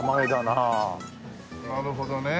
なるほどね。